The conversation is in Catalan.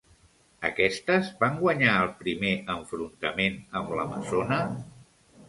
Aquestes van guanyar el primer enfrontament amb l'amazona?